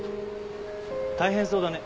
大変そうだね。